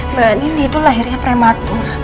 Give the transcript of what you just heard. mbak nini itu lahirnya prematur